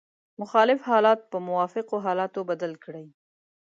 مخالف حالات په موافقو حالاتو بدل کړئ.